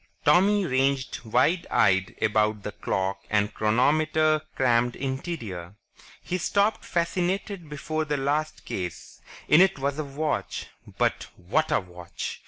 Tommy ranged wide eyed about the clock and chronometer crammed interior. He stopped fascinated before the last case. In it was a watch ... but, what a watch!